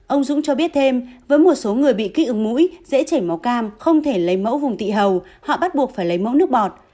ông dũng cho biết thêm với một số người bị kích ứng mũi dễ chảy máu cam không thể lấy mẫu vùng tị hầu họ bắt buộc phải lấy mẫu nước bọt